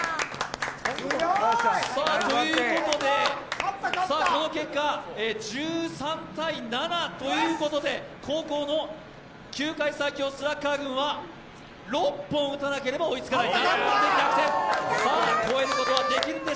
ということでこの結果１３−７ということで後攻の球界最強スラッガー軍は６本打たなければ追いつかない。